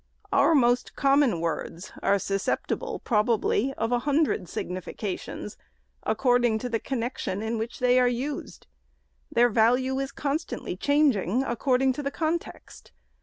Our most common words are susceptible, probably, of a hundred significations, according to the connection in which they are used. Their value is constantly changing, according to the context.